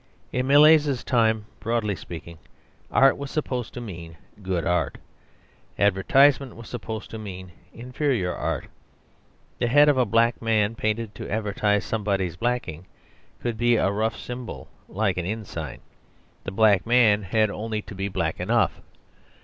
In Millais's time, broadly speaking, art was supposed to mean good art; advertisement was supposed to mean inferior art. The head of a black man, painted to advertise somebody's blacking, could be a rough symbol, like an inn sign. The black man had only to be black enough.